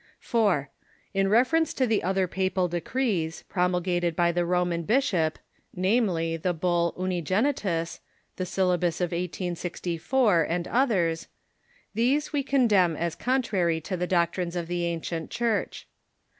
4. In reference to the other papal de crees, promulgated by the Roman Bishop — namely, the bull Unigenltus, the Syllabus of 1864, and others — these we con demn as contrary to the doctrines of the ancient Church.